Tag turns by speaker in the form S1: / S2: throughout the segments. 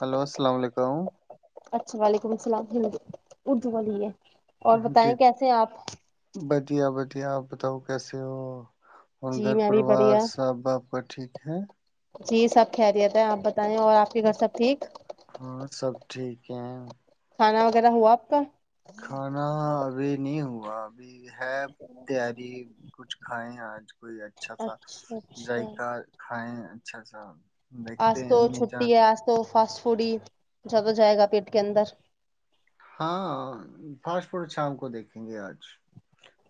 S1: Hello السلام علیکم
S2: ہ اور بتائیں کیسے ہیں آپ
S1: کہ آپ بتاؤ کیسے ہو اور
S2: جی
S1: گھر
S2: میں بھی
S1: پروار
S2: بڑھیا
S1: سب باپ ٹھیک ہے
S2: جی سب خہریت ہے آپ بتائے اور آپ کے گھر سب ٹھیک
S1: ہاں سب ٹھیک ہے
S2: کھانا وغیرہ ہوا آپ کا
S1: کھانا ابھی نہیں ہوا ب ہے تیاری کچھ کھائائے آج کوئی اچھا سا ذائقہ کھائائے اچھا اچھا
S2: آج تو چھٹی ہے آج تو فاسٹ پوڑی جد ہو جائے گا پیٹ کے اندر
S1: ہاں فاس ف شام کو دیکھیں گے آج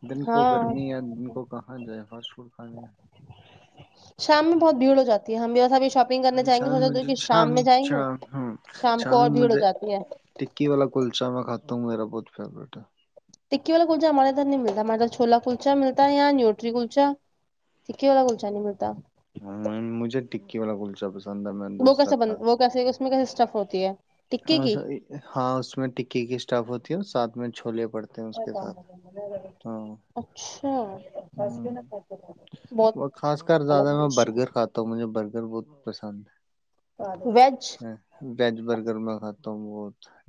S1: دن کو
S2: ہاں
S1: گرمی یا دن کو کہاں جائے فاسٹ فوڈ کھانے
S2: شام میں بہت بھیڑ ہو جاتی ہے ہم بھی ویسا بھی شاپنگ
S1: ہاں،
S2: کرنے جائیں گے
S1: شام
S2: سوچ
S1: مجھے
S2: کہ شام میں جائیں گے
S1: شام ہاں
S2: شام کو
S1: شامی
S2: اور بھیڑ ہو
S1: مجھے
S2: جاتی ہے
S1: تو میرا بہت فیوریٹ ہے
S2: ٹکی والا کلچا ہمارے ادھر نہیں ملتا ہمارے چھولا کلچا ملتا ہے یا نیوٹری کلچا ٹھیک والا کلشانی مرتا
S1: ہے مجھے ٹکی واللا گل چایس
S2: وہ کیسا بن وہ کیسے اس میں کیسے چف ہوتی ہے ٹکی کی
S1: ہاں اس میں ٹکی کی اسٹاف ہوتی ہے ساتھ میں چھولے ڑتے ہیں کے ساتھ ہاں
S2: اچھا
S1: ہ
S2: بہت
S1: وہ خاص کر
S2: الگ
S1: زیادہ میں
S2: ڈش
S1: برگر
S2: ہے
S1: کھاتا ہوں مجھے برگر بہت پسند
S2: ویج
S1: ہے وج بر [inaudible]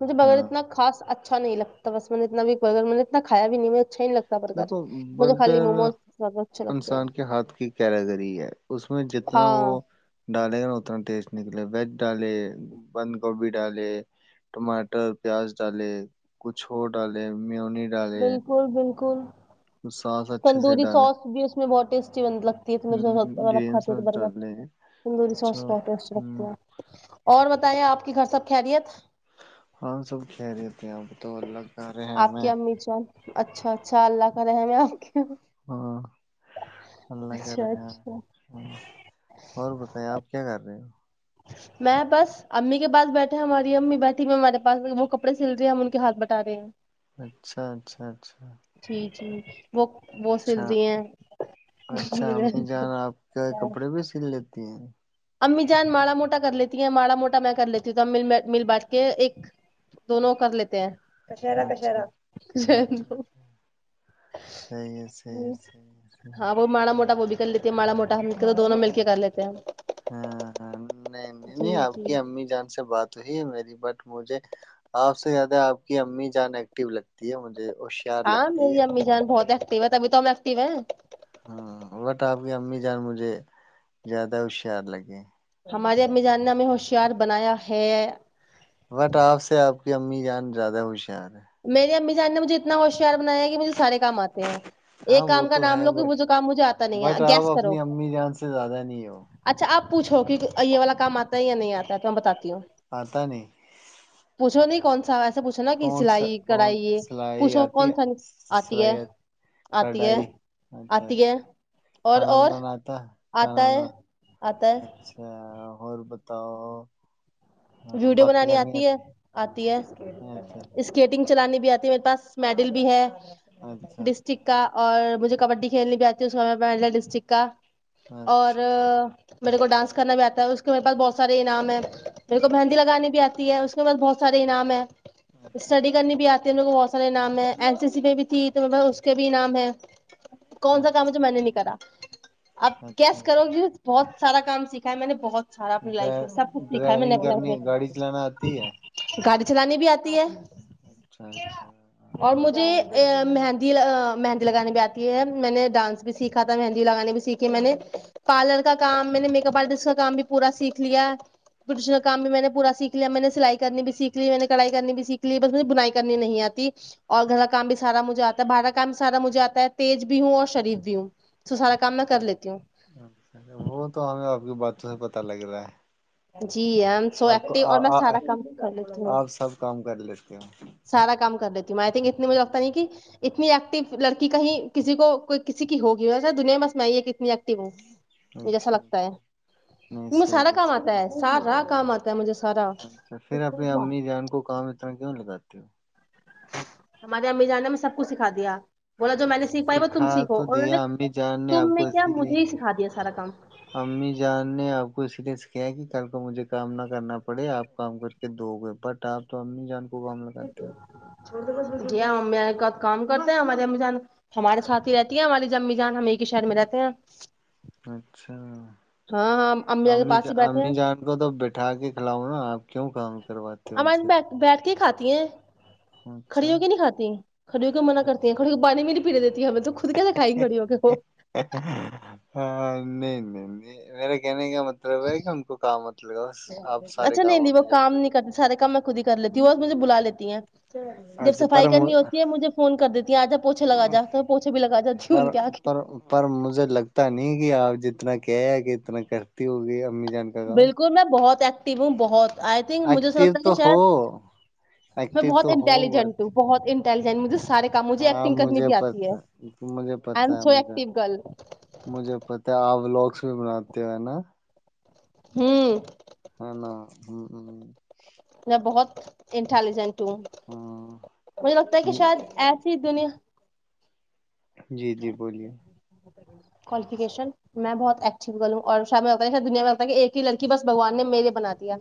S2: مجھے بغیر
S1: ہاں
S2: اتنا خاص اچھا اچھا نہیں لگتا بس میں نے اتنا بھی برگر میں نے اتنا کھایا بھی نہیں اچھا ہی نہیں لگتا برگر
S1: دیکھو
S2: مجھے خالی
S1: برگر
S2: موموز زیادہ اچھے لگتے ہیں
S1: انسان کے ہاتھ کی کیرگری ہے اس میں جتنا وہ
S2: ہاں
S1: ڈالے گا نا اتنا ٹیسٹ نکلے ویج ڈالے بند گوبھی ڈالے ٹماٹر پیاز ڈالے کچھ اور ڈالے میونی ڈالے
S2: بالکل بالکل
S1: ساس اچھے سے
S2: تندوری
S1: ڈالے
S2: سوئس بھی اس میں بہت ٹیسٹی تندوری سوئس
S1: گرین
S2: کھاتی تھی
S1: ساس
S2: تو برگر
S1: ڈالے
S2: تندوری
S1: اچھا
S2: سوس بہت ٹیسٹی لگتی
S1: ہوں
S2: ہے اور بتایا آپ گھر سب خیریت
S1: ہم سب خیریت ہے اپ بتاو اللہ کا رحم
S2: آپ کی
S1: ہیں ہمیں
S2: امی جان اچھا اچھا اللہ کا رحم ہے کے
S1: ہاں اللہ کا
S2: اچھا
S1: رحم
S2: اچھا
S1: ہیں اور بتاے آپ کیا کر رہے ہو
S2: میں بس امی کے پاس بیٹھے ہماری امی بیٹھی میں ہمارے پاس وہ کپڑے سل رہے ہیں ہم ان کے ہاتھ بٹا رہے ہیں
S1: اچھا اچھا اچھا
S2: جی جی وہ وہ سل
S1: اچھا
S2: رہی ہیں
S1: اچھا امی جان آپ کے کپڑے بھی [inaudible]
S2: امی جان ماڑا موٹا کر لیتی ہیں ماڑا موٹا میں کر لیتی ہوں تو ا مل مل بیٹ کے ایک دونوں کر لیتے ہیں کشرا
S1: اچھا
S2: کشرا
S1: اچھا اچھا صحیح ہے صحیح ہے صحیح ہے صحیح ہے
S2: ہاں وہ مڑا موٹا ب بھی کر لیتی ہے مڑا موٹا ہم تو دونوں مل کے کر لیتے ہیں ہم
S1: ہاں ہاں نہیں نہیں نہیں آپ کی
S2: جی
S1: امی جان سے بات ہوئی ہے میری بٹ مجھے آپ سے زیادہ آپ کی امی جان ایکٹیو لگتی ہے مجھے ہوشیار
S2: ہاں
S1: لگتی
S2: میری
S1: ہے
S2: امی جان بہت ہے تبھی تو ہم ایکٹیو
S1: وٹ آپ کی امی جان مجھے زیادہ ہوشیار لگے
S2: ہمارے امی جان نے ہمیں ہوشیار بنایا ہے
S1: بٹ آپ سے آپ کی امی جان زیادہ ہوشیار ہے
S2: میرے امی جان مجھےاتنا ہوشیار بنایا کہ مجھے سارے کام آتے ہیں
S1: ہاں
S2: ایک
S1: وہ
S2: کام کا
S1: تو
S2: نام
S1: ہے
S2: لو کہ
S1: بٹ
S2: وہ کام مجھے آتا نہیں ہے
S1: بٹ آپ
S2: گیس کرو
S1: اپنی امی جان سے زیادہ نہیں ہو
S2: اچھا آپ پوچھو کہ یہ والا کام آتا ہے یا نہیں آتا ہے تو ہم بتاتے
S1: آتا نہیں
S2: پوچھو نہیں کون سا ویسا پوچھ
S1: کون سا کون سلائی آتی
S2: کون
S1: ہے
S2: سا نہیں، آتی
S1: سلائی
S2: ہے آتی ہے
S1: کڑھائی اچھا
S2: آتی ہے
S1: اچھا
S2: اور
S1: کھانا
S2: اور
S1: بنانا آتا ہے کھانا
S2: آتا ہے
S1: وانا
S2: آتا ہے
S1: اچھا اوربتا تو
S2: ویڈیو بنانی آتی ہے آتی ہے اسکیٹنگ چلانی بھی آتی میرے پاس میڈل بھی ہے
S1: اچھا
S2: ڈسٹک کا
S1: اچھا
S2: اور مجھے کبڈی کھیل بھی آتی ہے اس میں ملے ڈسٹک کا اور
S1: اچھا
S2: میرے کو ڈانس کرنا بھی آتا ہے اس کے میرے پاس بہت سارے انعام ہے میرے کو مینہدی لگانی بھی آتی ہے اس کے بعد بہت فری نام [unintelligible]
S1: اچھا
S2: اسٹڈی
S1: اچھا
S2: کرنی بھی آتی ہے ان کو بہت فری نام ہے [unintelligible] اس اس سی میں بھی تھی تو میں کے بھی نام ہے کون سا کام ہے
S1: اچھا
S2: جو میں نے نہیں کرا اپ
S1: اچھا
S2: کیس کرو گی بہت سارا کام سیککھا ہے میں نے بہت سارا اپنی لائف
S1: اچھا
S2: سب کچھ گھر میں نک
S1: ڈرائیونگ کرنی گاڑی چلانا آتی ہے
S2: گڑی چلانی بھی آتی ہے
S1: اچھا اچھا [inaudible]
S2: اور مجھے مہندی مہندی لگانے بھی آتی ہے میں نے ڈانس بھی سیکھا تھا مہندی لگانے بھی سیکھے میں نے پارلر کا کام میں نے میک اپ آرٹسٹ کا کام بھی پورا سیکھ لیا پرسنل کام بھی میں نے پورا سیکھ لیا میں نے سلائی کرنی بھی سیکھ لی میں نے کڑھائی کرنی بھی سیکھ لی بس مجھے بنائی کرنی نہیں آتی اور گھر کاکام بھی سارا مجھے آتا ہے باہر کام سارا مجھے آتا تیز بھی ہوں اور شریف بھی ہوں سارا کام میں کر لیتی ہوں
S1: وہ تو ایا وہ بعد میں پتا لگ رہا ہے۔
S2: جی ای ایم سو
S1: آپ کو
S2: ایکٹیب اور میں
S1: آ- آ-
S2: سارا کام کر لیتی ہوں
S1: آپ سب [inaudible]
S2: سارا کام کر دیتی ہوں میں اتنی مجھے لگتا نہیں
S1: ہوں،
S2: کہ [unintelligible] اتنی ایکٹو لڑکی کہیں کسی کو کوئی کسی کی ہوگی ویسا دنیا میں سنا نہیں کتنی ایکٹیب ہوں مجھے ایسا
S1: اچھا
S2: لگتا ہے
S1: نہیں
S2: ان میں
S1: صحیح
S2: سارا کام
S1: صحیح
S2: آتا ہے سارا کام آتا [unintelligible]
S1: اچھا پھر اپنی امی جان کو کام اتنا کیوں لگاتا [inaudible]
S2: ہمارے امی جان نے ہمیں سب کچھ سکھا دیا بولا جو میں نے سیکھ پائی وہ تم
S1: سکھا
S2: سیکھو
S1: تو
S2: اور انہوں
S1: دیا
S2: نے
S1: امی جان نے آپ
S2: تم
S1: کو
S2: کیا
S1: اسی لیے
S2: مجھے ہی سکھا دیا سارا کام
S1: امی جان نے آپ کو اسی لیے سکھا کہ کل کو مجھے کام نہ کرنا پڑے آپ کام کر کے دو گئے بٹ آپ تو امی جان مقابلہ کرتے ہو [unintelligible]
S2: جی امی ایک ہی کام کرتے ہیں ہماری امی جان ہمارے ساتھی ہی رہتی ہیں ہماری امی جان ہم ایک ہی شہر میں رہتے ہیں
S1: اچھا
S2: ہاں ہاں امی جان کے پاس ہی بیٹھے
S1: امی
S2: ہیں
S1: جان کو تو بٹھا کے کھلاؤ نا آپ کیوں کام کرواتے ہو ان سے
S2: تی ہیں کھڑی
S1: اچھا
S2: ہو کے نہیں کھاتی کھڑیوں کے منع
S1: اچھا
S2: کرتی ہیں کھڑی ہو کے پانی میں نہیں پینےے دیتی ہمیں تو خود کیسے کھایگی کھڑی ہو کے وہ
S1: ہاں نہیں میرے کہنے کا مطلب ہے کہ ان کو کام مت لگاؤ آپ سارے
S2: اچھا نہیں
S1: کام
S2: نہیں وہ
S1: امی جان
S2: کام
S1: کے
S2: نہیں کرتی
S1: کرتے ہو
S2: سارے کام میں خود ہی کر لیتی ہوں وہ مجھے بلا لیتی ہیں جب
S1: اچھا
S2: صفائی کرنی ہوتی
S1: پر
S2: ہے مجھے فون کر دیتی ہیں آ جا پوچھے لگا جاتا ہے پوچھے بھی لگا جاتی ہ
S1: پر
S2: ان کے کے
S1: پر پر مجھے لگتا نہیں کہ آپ جتنا که رہی ہے اتنا کرتی ہوگی امی جان کا کام
S2: بالکل میں بہت آکٹیو ہوں بہت آئی تھنک مجھے س
S1: ایکٹو
S2: لگتا ہے
S1: تو
S2: کہ
S1: ہو
S2: شاید میں
S1: ایکٹو
S2: بہت
S1: تو ہو بٹ
S2: انٹیلیجنٹ ہوں بہت [unintelligible] مجھے
S1: ہاں
S2: ایکٹنگ کرنی
S1: مجھے
S2: بھی
S1: پ
S2: آتی ہے
S1: مجھے
S2: آئی
S1: پتا
S2: ایم
S1: ہے
S2: سو
S1: مجھے
S2: ایکٹیو گرل
S1: مجھے پتا ہے آپ لوگ [unintelligible]
S2: ہوں
S1: [inaudible]
S2: میں بہت انٹیلیجنٹ مجھے لگتا ہے کہ شاید
S1: ہاں
S2: ایسی دنیا
S1: جی جی بولیے
S2: کوالیفکیشن میں بہت ایکٹو گرل ہوں اور شاید مجھے لگتا دنیا میں ایک ہی لڑکی بس بھگوان نے میرے بنا دیا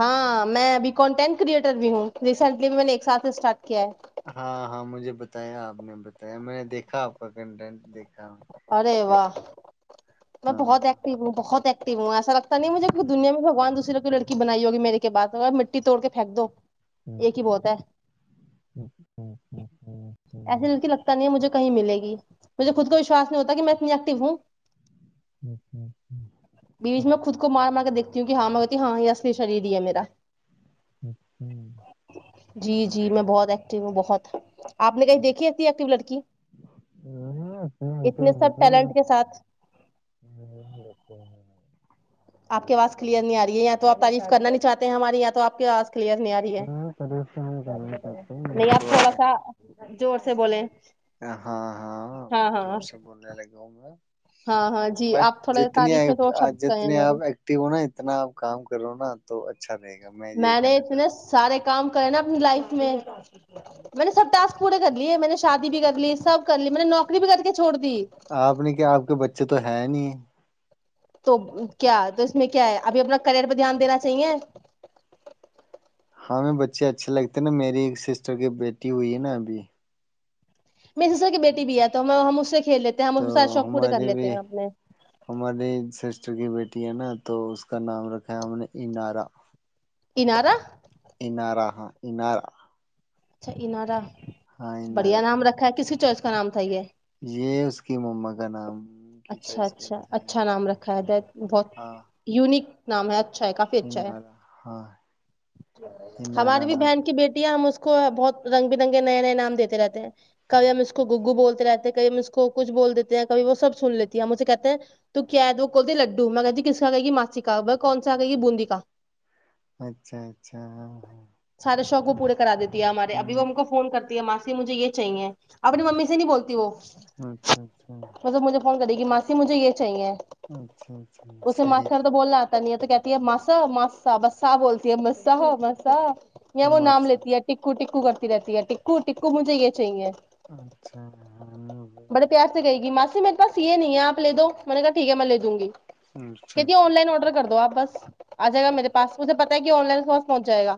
S2: ہاں میں ابھی کنٹیکٹ کریئٹر بھی ہوں ریسنٹلی بھی میں نے ایک ساتھ اسٹارٹ کیا ہے
S1: ہاں ہاں مجھے بتایا آپ نے بتایا میں نے دیکھا آپ کا کنٹینٹ دیکھا
S2: ارے
S1: کیا
S2: واہ
S1: ہوا ہے۔
S2: میں
S1: ہاں
S2: بہت ایکٹیو ہوں بہت ایکٹو ہوں ہے ایسا لگتا نہیں مجے کی کہ دنیا میں بھگوان نے دوسری کوئی لڑی بنائی ہوگی میرے کے بعد مٹی توڑ کے پھینک دو ایک ہی بہت ہے
S1: [inaudible]
S2: ایسے دل سے لگتا نہیں مجھے کہیں ملے گی مجھے خود کو وشواس نہیں ہوتا کہ میں اتنی ایکٹو ہوں بیچ
S1: ہ
S2: میں خود کو مار مار کے دیکھتا کیونک ہاں میں کہتی ہاں یہ اصلی شری ہی ہے میرا
S1: [inaudible]
S2: جی جی میں بہت ایکٹو ہوں بہت آپ نے کہیں دیکھیتی ایکٹیو لڑکی
S1: نہیں، اپنے اوپر
S2: اتنے سب
S1: نہیں
S2: ٹیلنٹ کے
S1: لگتے
S2: ساتھ
S1: نہیں لگتے ہیں۔
S2: آپ کی اواز کلیئر نہیں آ رہی ہے یا توپ تعریف کرنا نہیں چاہتے ہیں ہماری یا تو آپ کےا کلیئر نہیں آ رہی ہے
S1: ہاں پرہیز تو ہم کرنا چاہتے ہیں، میرے
S2: نہیں آپ تھوڑا
S1: کو
S2: سا زور سے بولیں
S1: ہاں ہاں زور سے بولنے لگا ہوں میں
S2: ہاں ہاں جی
S1: بٹ
S2: آپ تھوڑا
S1: جتنی
S2: تعریف میں دو شبد کہیں
S1: جتنی آپ
S2: ہمارے
S1: ایکٹیو ہو نا اتنا آپ کام کرو نا تو اچھا رہے گا یہ
S2: میں نے
S1: کہنا چاہتا
S2: اتنے سارے کام نا اپنی لائف میں میں نے سب ٹسک پورے کر لی ہے میں نے شادی بھی کر لی سب کر لی میں نے نوکری بھی کر کے چھوڑ د
S1: آپ نے کیا آپ کے بچے تو ہے نہیں [inaudible]
S2: تو کیا تو اس میں کیا ہے ابھی اپنا کرئر پہ دھیان دینا چاہیے
S1: ہمیں بچے اچھے لگتے نا میری ایک سسٹر کی بیٹی ہوئی ہے نا ابھی
S2: میے سسر کی بیٹی بھی ہے تو میں کھیل لیتے ہیں ہم
S1: تو
S2: اس سارے شوق پورے کر
S1: ہمارے
S2: لیتے
S1: بھی
S2: ہیں اپنے
S1: ہمارے سسٹر کی بیٹی ہے نا تو اس کا نام رکھا ہم نے انارا
S2: انارا
S1: انارا ہاں انارا
S2: اچھا انارہ بڑھیا
S1: ہائنرا
S2: نام رکھا ہے کس چرچ کا نام تھا یے
S1: یہ اس کی معمہ کا نام کی
S2: اچھا
S1: چوائس کا
S2: اچھا
S1: ایک تھا
S2: اچھا نام
S1: ہنارا
S2: رکھا ہے د بہت
S1: ہاں
S2: یونک نام ہے اچھا کافی اچھا ہے
S1: ہنارا ہاں
S2: ہماری
S1: ہنارا
S2: بھی
S1: نام
S2: بہن کی بیٹی ہے ہم اس کو بہت رنگ برنگے نئے نئے نام دیتے رہتے ہیں کب ہم اس کو گگو بولتے رہتے ہیں کب ہم اس کو کچھ بول دیتے ہیں کب وہ سب سن لیتی ہے مجے کہتے ہیں تو کیا ہے وہول دیے لڈو میں کہتی ہو جی کس کہ گی ماسی کا کون سا آ گئی یہ بوندی کا
S1: اچھا اچھا ہاں ہاں
S2: سارا ش س کو پورے کرا دیتے ہمارے ابھی وہ
S1: ہوں
S2: کو فون کر ماسی مجھے یہ چاہیے آپ اپنی ممی سے نہیں بولتی وہ
S1: اچھا اچھا
S2: مطلب مجھے فون کرےی ماسی مجھے یہ چاہیے
S1: اچھا اچھا
S2: اسے
S1: صحیح ہے
S2: ماسٹر تو
S1: صحیح۔
S2: بولنا آتا نہیں ہے تو کہتے مسا ماا با بولتی ہے ما مسا وہ
S1: عمر
S2: نام لیتی
S1: صاحب،
S2: ہے ٹکو ٹو ٹکو کرتی رہتی ہے ٹکو ٹکو مجھے یہ چاہیے
S1: اچھا ہ نہیں ہو ن [unintelligible]
S2: بس یہ نہیں ہےپ لے دو م میں نے کہا ٹھیک ہے میں لے دوں گی
S1: اچھا
S2: کہتیے
S1: اچھا
S2: آن لائن آرڈر کر د دو آپ بس [unintelligible] آ جائے گا میرے
S1: اچھا
S2: پس مجے پتا کہ آن لائن کاس پہنچ جائےا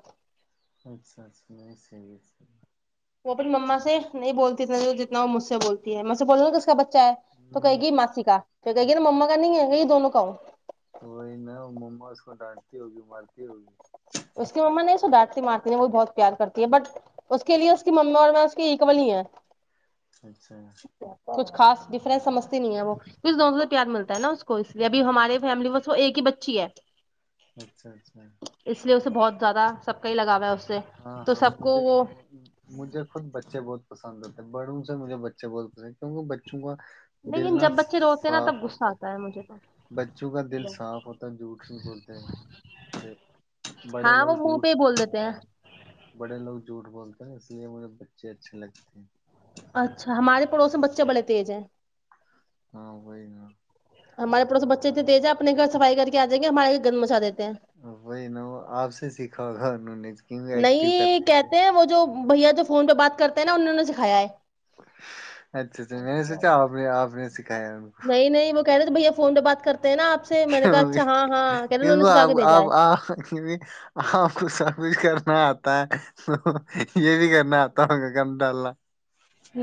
S1: [unintelligible]
S2: وہ اپنی مما
S1: ہے۔
S2: سے نہیں بولتی جتنا جتنا وہ مج سے بولتی ہے میں سے بولناا ک اس کا بچہ چ ہے تو کہے
S1: ہاں،
S2: گی ماسی کا تو کہے گییر
S1: اچھا
S2: مما کا نہیں ہے
S1: وہی
S2: کہ یہ دونوں کاؤ
S1: وہی نا مما اس ڈانٹتی ہوگی مرتی ہوگی
S2: اس کی مما نہیں سو ڈانٹتی مارتی ہیں وہ بھی بہت پیار کرتی ہے بٹ اس کے لیے اس کی مما اور میں اس کے اکول ہی ہیں
S1: اچھا
S2: کچھ خاص ڈفرنس سجھتی نہیں ہے وہ ک دونوں سے پیار ملتا ہے نا اس کو اس لیے ابھی ہمارے فیملی بس وہ ایک ہی بچی ہے
S1: اچھا اچھا [unintelligible]
S2: اس لیے اسے بہت زیادہ سب کا ہی لگا ہے سے
S1: ہاں
S2: تو
S1: ہاں
S2: سب کو
S1: مجھے
S2: وہ
S1: مجھے خود بچے بہت پسند ہوتا ہے بڑوں سے مھے بچے بہت پسند ہیں کیونکہ بچوں کا دل
S2: لیکن
S1: ن
S2: جب بچے روتے ہیں نا
S1: صاف
S2: تب غصہ
S1: ہوتا ہے
S2: آتا مجھے تو
S1: بچوں کا دل صاف ہوتا ہے جھوٹ بھی بولتے ہے بڑے
S2: ہاں
S1: لوگ
S2: وہ منہ
S1: جھوٹ
S2: پہ ہی بول
S1: بولتے
S2: دیتے ہیں
S1: بڑے لوگ جھوٹ بولتے ہیں اس لیے مجھے بچے اچھے لگتے ہیں
S2: اچھا ہمارے پڑوس میں بچے بڑے تیز ہیں
S1: ہاں وہئی گ [unintelligible]
S2: ہمارے پڑوس بچےتنے تیز ہے اپ گھر سفائی کے آ جیں گے ہمارے گ مچاےتے
S1: وہی نا وہ آپ سے سیکھا ہوگا انہوں نے کیوں ایکٹیو کر
S2: نہیں
S1: دی ہے
S2: کہتے ہیں وہ جو بھیا جو فون پہ بات کرتے ہیں نا انہ نے سکھایا ہے
S1: اچھا اچھا میں نے سوچا آپ نے آپ نے سا
S2: نہیں نہیں وہ کہنے بھیا فون پہ بات کرتے ہیں نا آپ سے میں نے کہا
S1: کیوں گ
S2: اچھا ہاں ہاں کہہ رہے انہوں نے
S1: کیوںک
S2: سکھا
S1: آپ
S2: کے بھیجا
S1: آپ
S2: ہے
S1: آ کی آپ کو سب کچھ کرنا آ تو یہ بھی کرنا آتا ہوں میں ک انٹ اللہ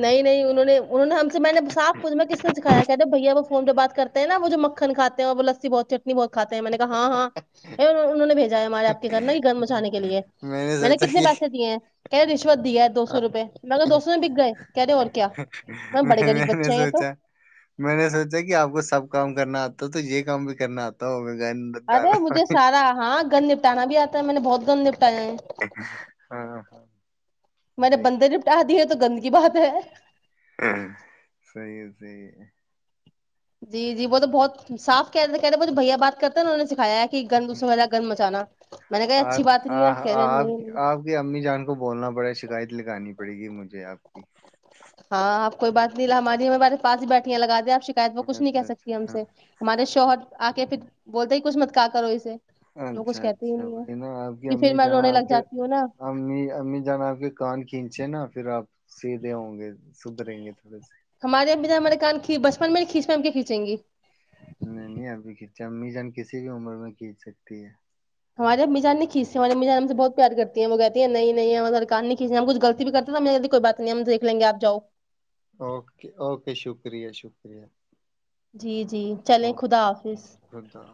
S2: نہیں نہیں انہوں نے انہوں نے ہم سے میں نے صاف پچھ میں کس نے دکھایا کیا جب بھیا وہ فون جو بات کرتے نا وہ جو مکھنھے ہیں اور وہ لسی بہ چٹنی بہتھاتے میں نے کہا ہاں ہاں انہوں نے بھیجا ہے ہمارے آپ کے گھر نا یہ گھرم مچانے کے لیے میں نے کتنے پیسے دیے کیا دیش ودی ہے دو سو روپئے میںگر دو سو نے پیگا ہے
S1: میں نے
S2: بچے ہیں یہ تو
S1: سوچا میں نے سوچا کہ آپ کو سب کام کرنا آتا تو یہ کام بھی کرنا آتا ہوگا گند
S2: ارے
S1: ڈالنا
S2: مجھے سارا ہاں گندنے تانا بھی آتا ہے میں نے بہت ایک دم نپٹا جیں
S1: ہاں ہاں
S2: میں نے
S1: صحیح
S2: بند نے بٹھا دیے تو گند کی بات ہے
S1: صی ہے صی ہے
S2: جی جی وہ تو بہت صاف کہ کہہ رہے مجھے بھیا بات کرتے نا انہوں سکھایا کہ گند دوسرے والا
S1: ہوں،
S2: گند مچانا میں نے کہا
S1: آ-
S2: اچھی بات نہیں ہے کہہ رہے
S1: آ-
S2: نہیں
S1: آپ
S2: نہیں
S1: آپ کی امی جان کو بولنا ی [unintelligible]
S2: کوئی بات نہیں لا ہماری میںارے پس ہی بیٹھییا لگا دیا شکایت وہ کچھ نہیں کہ
S1: اچھا
S2: سکتی ہم
S1: اچھا ہاں
S2: سے ہمارے شوہر آ کے پھر بولتے ہی کچھ مت کا کرو اسے وہ کچھ
S1: اچھا
S2: کہتے ہی
S1: اچھا
S2: نہیں ہے
S1: وہی نا آپ کی
S2: کہ پھر
S1: امی
S2: میں
S1: جانا
S2: رونے
S1: آپ
S2: لگ
S1: کے
S2: جاتی ہوں نا
S1: امی امی جانا آپ کے کان کھینچے نا پھر آپ سیدھے ہوں گے سدریں گے تھوڑے سے
S2: ہمارے اھی ہمارے کان کھی بچپن میں کھینچ پ ہم کیا کھینچیں گی
S1: نہیں نہیں ابھی کھینچا امی جان کسی بھی عمر میں کھینچ سکتی ہے
S2: ہمارے میجان نے کھیچی ہمار مجان ہم سے بہت پیارتی ہے وہ کہتی ہیں نہیں ہمار سر کار نہیں کھیچی ہم کچ غلطی کر ہیں تو ہم کوئی بات نہیں ہم دیک لیں گے آپاؤ جاؤ
S1: اوکے اوکے شکریہ شکریہ
S2: جی جی چلیں
S1: اوکے
S2: خدا حافظ
S1: خدا